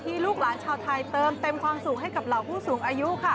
ลูกหลานชาวไทยเติมเต็มความสุขให้กับเหล่าผู้สูงอายุ